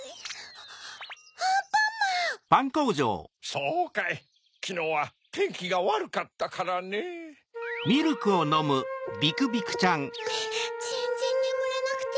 ・そうかいきのうはてんきがわるかったからねぇ・ぜんぜんねむれなくて。